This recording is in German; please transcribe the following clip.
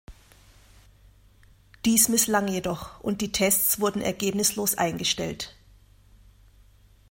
Dies misslang jedoch und die Tests wurden ergebnislos eingestellt.